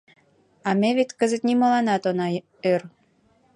А ме вет кызыт нимоланат она ӧр.